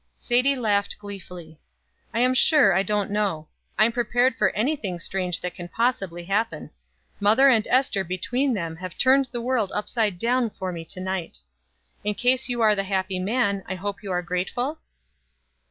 Sadie laughed gleefully. "I am sure I don't know. I'm prepared for any thing strange that can possibly happen. Mother and Ester between them have turned the world upside down for me to night. In case you are the happy man, I hope you are grateful?"